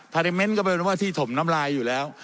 ในเมนต์ก็เป็นว่าที่ถมน้ำลายอยู่แล้ว